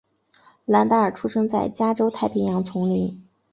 兰达尔出生在加州太平洋丛林。